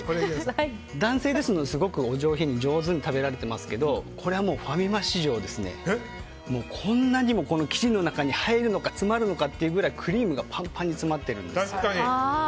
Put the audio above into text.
男性ですけど、すごくお上品に食べられていますがこれはもうファミマ史上こんなにも生地の中に入るのか詰まるのかというくらいクリームがパンパンに詰まってるんですよ。